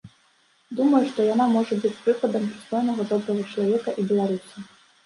Думаю, што яна можа быць прыкладам прыстойнага, добрага чалавека і беларуса.